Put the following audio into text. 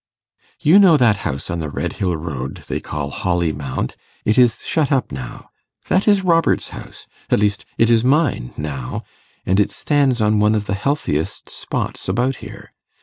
'You know that house on the Redhill road they call Holly Mount; it is shut up now. That is Robert's house; at least, it is mine now, and it stands on one of the healthiest spots about here.